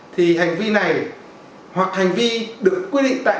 thì hành vi này hoặc hành vi được quy định tại